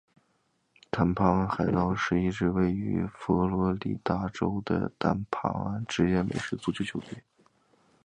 坦帕湾海盗是一支位于佛罗里达州的坦帕湾职业美式足球球队。